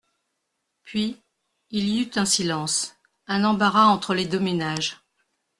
Puis, il y eut un silence, un embarras entre les deux ménages.